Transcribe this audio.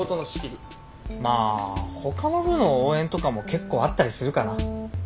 まあほかの部の応援とかも結構あったりするかな。